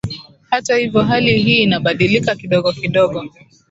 Hata hivyo hali hii inabadilika kidogo kidogo